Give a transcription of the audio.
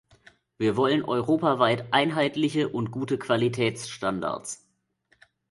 Wir wollen europaweit einheitliche und gute Qualitätsstandards.